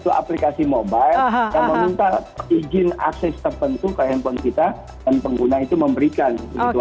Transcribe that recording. itu aplikasi mobile dan meminta izin akses tertentu ke handphone kita dan pengguna itu memberikan